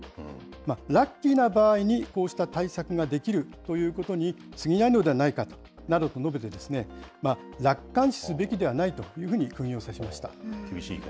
ラッキーな場合に、こうした対策ができるということにすぎないのではないかと述べて、楽観視すべきではないというふうにくぎを刺しました。